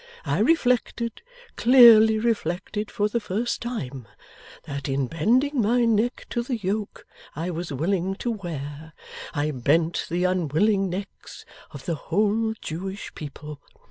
I reflected clearly reflected for the first time that in bending my neck to the yoke I was willing to wear, I bent the unwilling necks of the whole Jewish people.